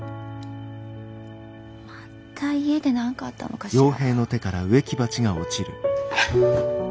また家で何かあったのかしら。